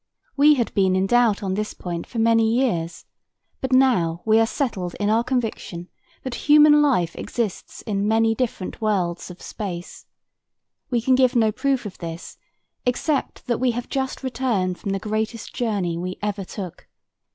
We had been in doubt on this point for many years, but now we are settled in our conviction that human life exists in many different worlds of space. We can give no proof of this except that we have just returned from the greatest journey we ever took.